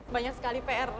banyak sekali pr